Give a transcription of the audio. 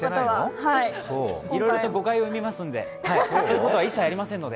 いろいろと誤解を生みますので、そんなことはありませんので。